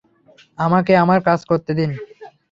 আমাকে আমার কাজ করতে দিন!